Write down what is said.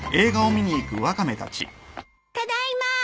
ただいま。